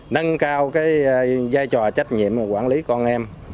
nâng cao cái giai trò trách nhiệm quản lý con em